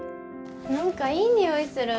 何かいい匂いする。